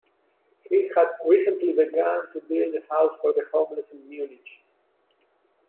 He had recently begun to build a house for the homeless in Munich.